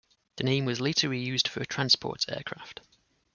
The name was later re-used for a transport aircraft.